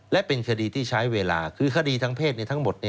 และเป็นคดีที่ใช้เวลาคือคดีทางเพศทั้งหมด